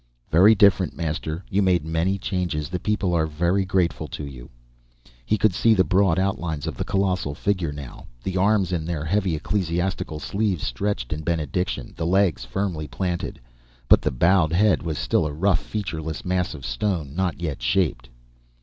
"Very different, Master. You made many changes. The people are very grateful to You." He could see the broad outlines of the colossal figure now: the arms, in their heavy ecclesiastical sleeves, outstretched in benediction, the legs firmly planted. But the bowed head was still a rough, featureless mass of stone, not yet shaped.